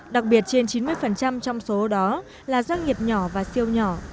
đặc biệt trên chín mươi trong số đó là doanh nghiệp nhỏ và siêu nhỏ